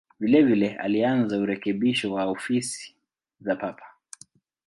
Vilevile alianza urekebisho wa ofisi za Papa.